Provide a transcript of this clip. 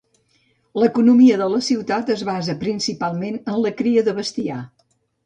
L'economia de la ciutat es basa principalment en la cria de bestiar.